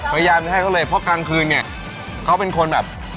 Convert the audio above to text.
พยายามจะให้เขาเลยเพราะกลางคืนเนี่ยเขาเป็นคนแบบ